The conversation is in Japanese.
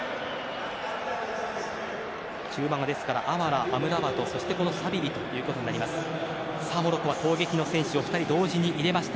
中盤がアマラー、アムラバトそしてサビリということになります。